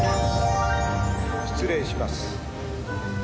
失礼します。